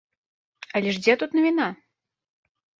Але ж дзе тут навіна?